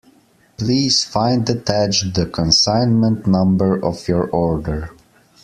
Please find attached the consignment number of your order.